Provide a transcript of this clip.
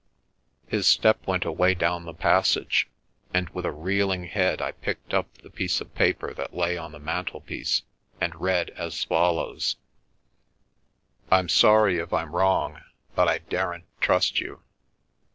His step went away down the passage, and with a reel ~£. Secrecy Farm ing head I picked up the piece of paper that lay on the mantelpiece, and read as follows: — "Fm sorry if I'm wrong, but I daren't trust you.